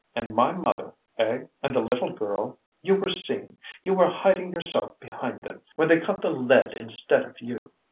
"And my mother, eh, and the little girl? You were seen; you were hiding yourself behind them when they caught the lead instead of you!"